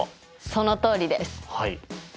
そのとおりです。